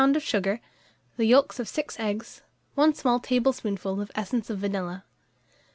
of sugar, the yolks of 6 eggs, 1 small teaspoonful of essence of vanilla.